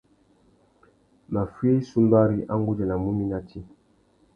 Maffuï sumbari, a nʼgudjanamú mi nà tsi.